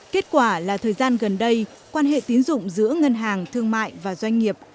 kết quả là thời gian gần đây quan hệ tín dụng giữa ngân hàng thương mại và doanh nghiệp